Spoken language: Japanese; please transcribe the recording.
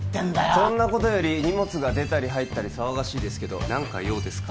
そんなことより荷物が出たり入ったり騒がしいですけど何か用ですか？